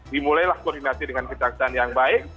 dimulailah koordinasi dengan kejaksaan yang baik